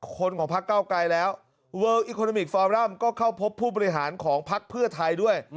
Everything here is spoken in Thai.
คนของพักเก้าไกรแล้วก็เข้าพบผู้บริหารของพักเพื่อไทยด้วย